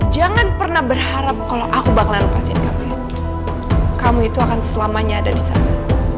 jangan pernah berharap kalau aku bakal lepasin kamu itu akan selamanya ada di sana